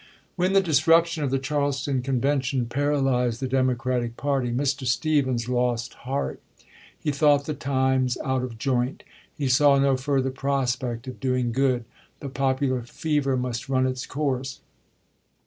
When the disruption of the Charleston Conven tion paralyzed the Democratic party, Mr. Stephens lost heart. He thought the times out of joint. He saw no further prospect of doing good. The pop stephensto ular fever must run its course.